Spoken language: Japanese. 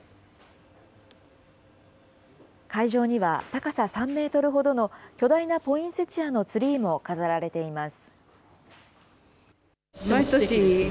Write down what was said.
会場には高さ３メートルほどの巨大なポインセチアのツリーも飾られています。